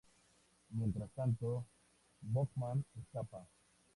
Mientras tanto Bowman escapa.